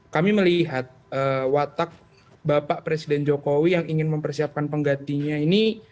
kami melihat watak bapak presiden jokowi yang ingin mempersiapkan penggantinya ini